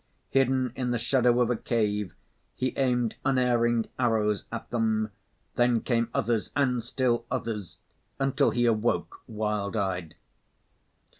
Hidden in the shadow of a cave, he aimed unerring arrows at them; then came others and still others, until he awoke, wild eyed.